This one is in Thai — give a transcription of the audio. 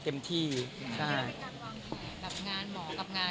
แต่สมัยนี้ไม่ใช่อย่างนั้น